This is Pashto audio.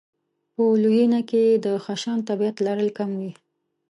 په لویېنه کې یې د خشن طبعیت لرل کم وي.